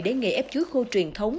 để nghề ép chuối khô truyền thống